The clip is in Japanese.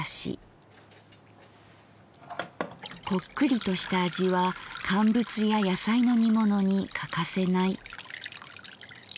「こっくりとした味は乾物や野菜の煮物に欠かせない」。